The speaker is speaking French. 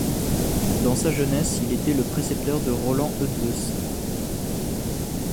Dans sa jeunesse il était le précepteur de Roland Eötvös.